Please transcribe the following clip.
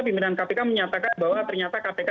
pimpinan kpk menyatakan bahwa ternyata kpk